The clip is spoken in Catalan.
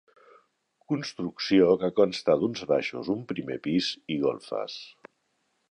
Construcció que consta d'uns baixos, un primer pis i golfes.